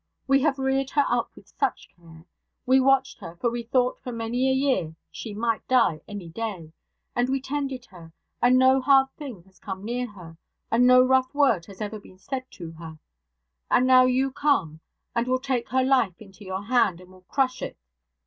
We have reared her up with such care! We watched her, for we thought for many a year she might die any day, and we tended her, and no hard thing has come near her, and no rough word has ever been said to her. And now you come and will take her life into your hand, and will crush it.